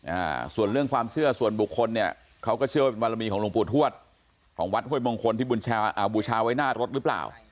อ่าส่วนเรื่องความเชื่อส่วนบุคคลเนี่ยเขาก็เชื่อว่าเป็นบารมีของหลวงปู่ทวดของวัดห้วยมงคลที่บุญชาไว้หน้ารถหรือเปล่า